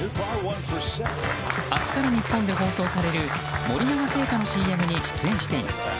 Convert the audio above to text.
明日から日本で放送される森永製菓のＣＭに出演しています。